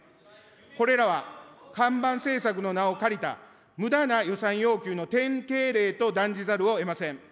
これらは看板政策の名を借りたむだな予算要求の典型例と断じざるをえません。